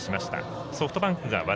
ソフトバンク和田。